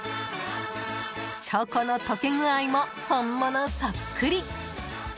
チョコの溶け具合も本物そっくり。